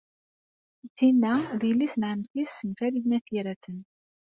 Tinna d yelli-s n ɛemmti-s n Farid n At Yiraten.